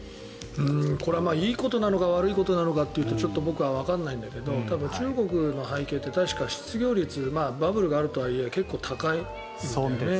これはいいことなのか悪いことなのかというとちょっと僕はわからないんだけど中国の背景って確か失業率バブルがあるとはいえ結構高いですよね。